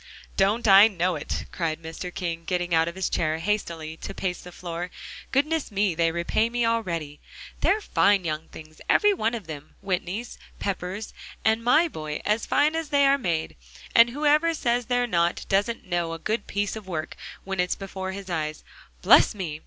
"Don't I know it?" cried Mr. King, getting out of his chair hastily to pace the floor. "Goodness me! they repay me already. They're fine young things, every one of them Whitneys, Peppers and my boy as fine as they are made. And whoever says they're not, doesn't know a good piece of work when it's before his eyes. Bless me!"